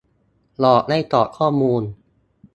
- หลอกให้กรอกข้อมูล